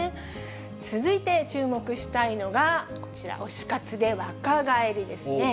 続いて注目したいのが、こちら、推し活で若返りですね。